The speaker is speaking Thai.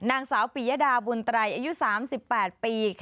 นางสาวปียดาบุญไตรอายุ๓๘ปี